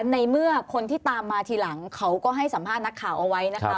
ในเมื่อคนที่ตามมาทีหลังเขาก็ให้สัมภาษณ์นักข่าวเอาไว้นะคะ